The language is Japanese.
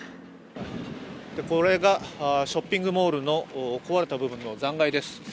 これがショッピングモールの壊れた部分の残骸です。